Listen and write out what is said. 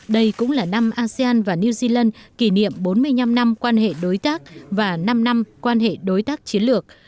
đây cũng là năm asean và new zealand kỷ niệm bốn mươi năm năm quan hệ đối tác và năm năm quan hệ đối tác chiến lược